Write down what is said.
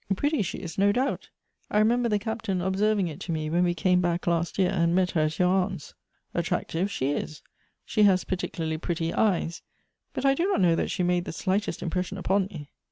Pretty she is, no doubt. I remember the Captain observ ing it to me, when we came back last yeaj , and met her Elective Affinities. 15 at your aunt's. Attractive she is, — she has particularly pretty eyes; but I do not know that she made the slight est impression upon me."